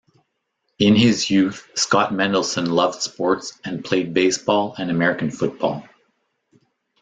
In his youth Scot Mendelson loved sports and played baseball and American football.